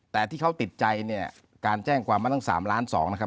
แต่ที่เขาติดใจเนี่ยการแจ้งความมาตั้ง๓ล้าน๒นะครับ